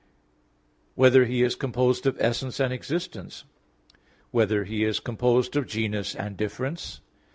(4) Whether He is composed of essence and existence? (5) Whether He is composed of genus and difference?